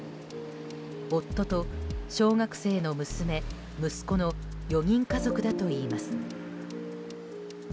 夫と小学生の娘、息子の４人家族だといいます。